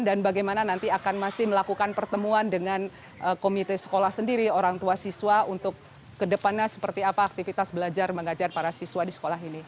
dan bagaimana nanti akan masih melakukan pertemuan dengan komite sekolah sendiri orang tua siswa untuk ke depannya seperti apa aktivitas belajar mengajar para siswa di sekolah ini